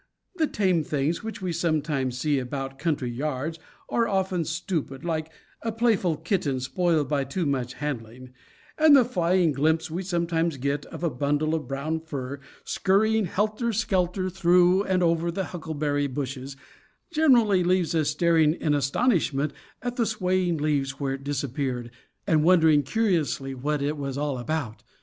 The tame things which we sometimes see about country yards are often stupid, like a playful kitten spoiled by too much handling; and the flying glimpse we sometimes get of a bundle of brown fur, scurrying helter skelter through and over the huckleberry bushes, generally leaves us staring in astonishment at the swaying leaves where it disappeared, and wondering curiously what it was all about.